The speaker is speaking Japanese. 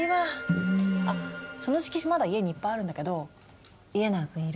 あその色紙まだ家にいっぱいあるんだけど家長くん要る？